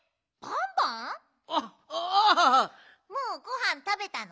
もうごはんたべたの？